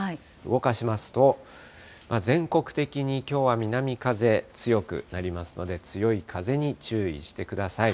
動かしますと、全国的にきょうは南風、強くなりますので、強い風に注意してください。